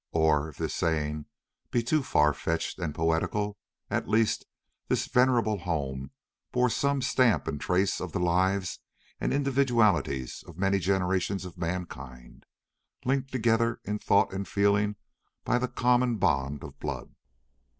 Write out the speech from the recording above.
Or, if this saying be too far fetched and poetical, at the least this venerable home bore some stamp and trace of the lives and individualities of many generations of mankind, linked together in thought and feeling by the common bond of blood.